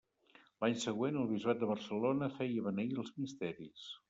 L'any següent, el bisbat de Barcelona, feia beneir els misteris.